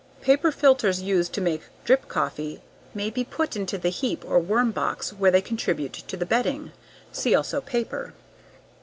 Paper filters used to make drip coffee may be put into the heap or worm box where they contribute to the bedding. See also: _Paper.